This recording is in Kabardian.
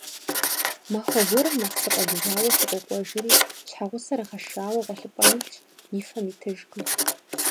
Махуэ гуэрым нэхъ сыкъэгувауэ сыкъокӀуэжри, щхьэгъусэр гъэшауэ гъуэлъыпӀэм илъщ, и фэм итыжкъым.